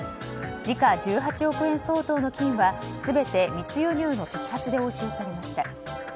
時価１８億円相当の金は全て密輸入の摘発で押収されました。